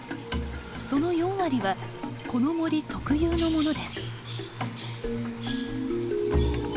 その４割はこの森特有のものです。